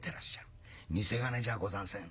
偽金じゃござんせん。